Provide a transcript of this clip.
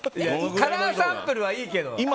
カラーサンプルはいいけど。